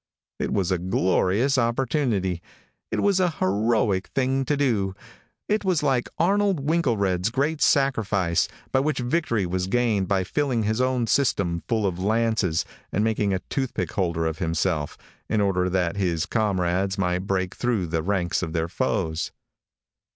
It was a glorious opportunity. It was a heroic thing to do. It was like Arnold Winklered's great sacrifice, by which victory was gained by filling his own system full of lances and making a toothpick holder of himself, in order that his comrades might break through the ranks of their foes.